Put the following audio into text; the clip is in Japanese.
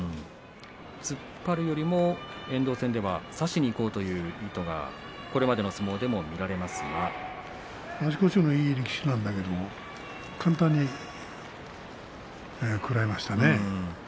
突っ張るよりも遠藤戦では差しにいこうという意図が足腰のいい力士なんだけれども簡単に食らいましたね。